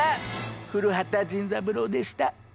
古畑ジンズ三郎でした。